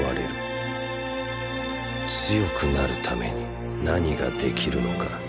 強くなるために何ができるのか。